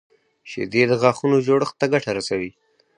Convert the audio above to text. شیدې د غاښونو جوړښت ته ګټه رسوي